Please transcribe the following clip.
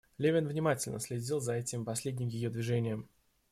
Левин внимательно следил за этим последним ее движением.